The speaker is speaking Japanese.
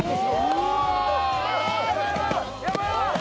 うわ！